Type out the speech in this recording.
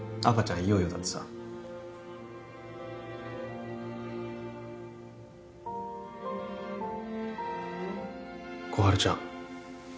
いよいよだってさ心春ちゃん